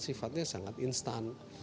sifatnya sangat instan